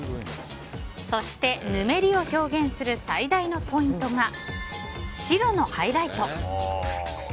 そして、ぬめりを表現する最大のポイントが白のハイライト。